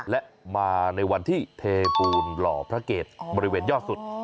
และมาในวันที่เทปูนหล่อพระเกตบริเวณยอดสุด